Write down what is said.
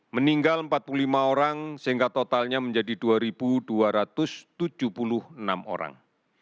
meninggal empat puluh lima orang sehingga totalnya menjadi dua dua ratus tujuh puluh enam orang